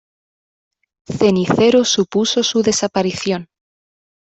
Cenicero supuso su desaparición.